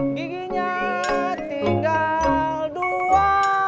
giginya tinggal dua